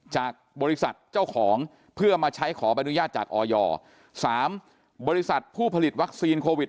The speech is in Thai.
จากบริษัทเจ้าของเพื่อมาใช้ขอใบอนุญาตจากออยสามบริษัทผู้ผลิตวัคซีนโควิด